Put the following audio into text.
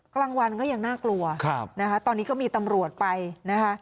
กลางวันก็ยังน่ากลัวนะคะตอนนี้ก็มีตำรวจไปนะคะ